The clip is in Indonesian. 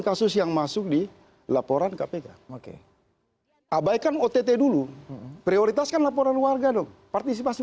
kasus yang masuk di laporan kpk oke abaikan ott dulu prioritaskan laporan warga dong partisipasi